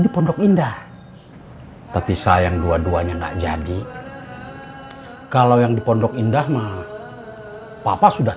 di pondok indah tapi sayang dua duanya enggak jadi kalau yang di pondok indah mah papa sudah